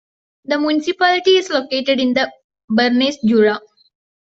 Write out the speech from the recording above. The municipality is located in the Bernese Jura.